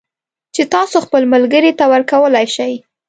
چې تاسو یې خپل ملگري ته ورکولای شئ